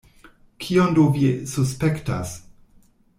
Kion do vi suspektas?